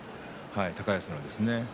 高安のですね。